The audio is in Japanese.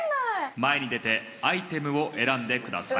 前に出てアイテムを選んでください。